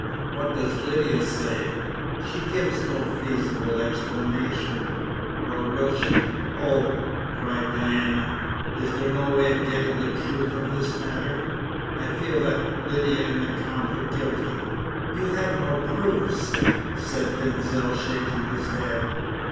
"What does Lydia say?" "She gives no feasible explanation." "Nor will she. Oh!" cried Diana, "is there no way of getting at the truth of this matter? I feel certain that Lydia and the Count are guilty!" "You have no proofs," said Denzil, shaking his head.